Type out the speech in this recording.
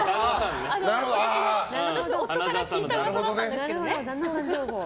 私の夫から聞いた噂だったんですけどね。